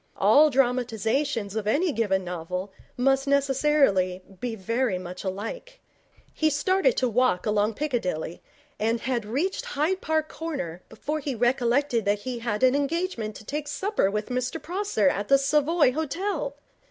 All dramatizations of any given novel must necessarily be very much alike. He started to walk along Piccadilly, and had reached Hyde Park Corner before he recollected that he had an engagement to take supper with Mr Prosser at the Savoy Hotel.